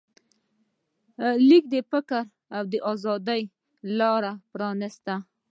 لیک د فکر د ازادۍ لاره پرانسته.